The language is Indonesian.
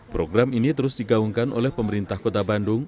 program ini terus digaungkan oleh pemerintah kota bandung